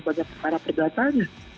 banyak para perjalanannya